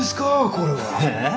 これは！え？